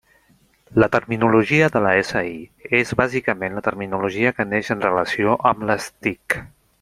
La terminologia de la SI és bàsicament la terminologia que neix en relació amb les TIC.